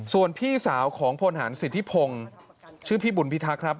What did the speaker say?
ส่วนพี่สาวของพลฐานสิทธิพงศ์ชื่อพี่บุญพิทักษ์ครับ